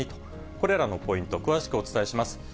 これらのポイント、詳しくお伝えします。